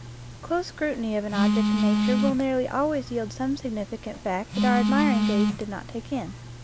Close scrutiny of an object in nature will nearly always yield some significant fact that our admir ing gaze did not take in.